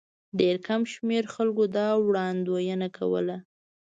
ډېر کم شمېر خلکو دا وړاندوینه کوله.